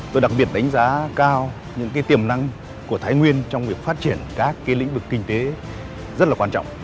tôi đặc biệt đánh giá cao những tiềm năng của thái nguyên trong việc phát triển các lĩnh vực kinh tế rất là quan trọng